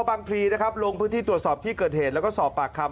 เจ้าพังพรีลงพื้นที่ตรวจสอบที่เกิดเหตุและก็สอบปากคำ